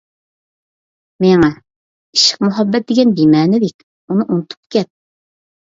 مېڭە: ئىشق-مۇھەببەت دېگەن بىمەنىلىك، ئۇنى ئۇنتۇپ كەت.